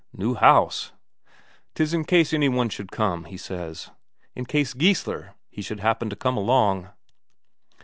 "New house?" "'Tis in case any one should come, he says in case Geissler he should happen to come along."